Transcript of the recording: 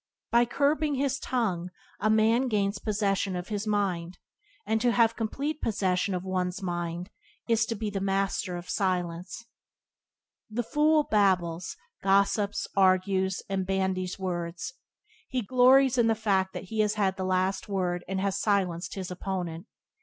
By curbing his tongue a man gains possession of his mind, and to have complete possession of one's mind is to be a Master of Silence. The fool babbles, gossips, argues, and bandies words. He glories in the fact that he has had the last word and has silenced his opponent.